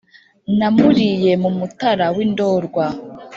Namuriye mu Mutara w’i Ndorwa,